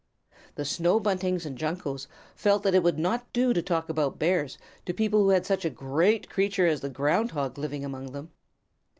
The Snow Buntings and Juncos felt that it would not do to talk about Bears to people who had such a great creature as the Ground Hog living among them.